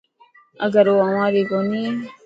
اگر او اوهان ري ڪوني هي.